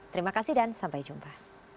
terima kasih dan sampai jumpa